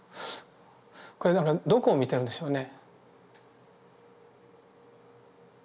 これどこを見てるんでしょうね。